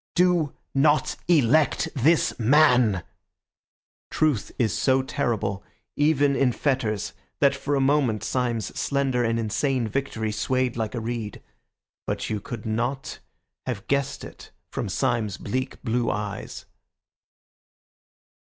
Do not elect this man." Truth is so terrible, even in fetters, that for a moment Syme's slender and insane victory swayed like a reed. But you could not have guessed it from Syme's bleak blue eyes.